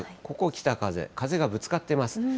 ここ、北風、風がぶつかっています。